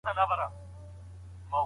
مرکه چيان بايد په خپلو خبرو کي پام وکړي.